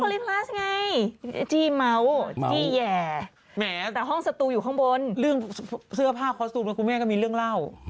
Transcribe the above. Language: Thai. ริ่งเสื้อผ้าคอสตูนกูแม่ก็มีเรื่องเล่า